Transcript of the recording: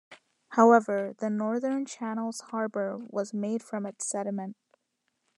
However, the northern channel's harbor was made from its sediment.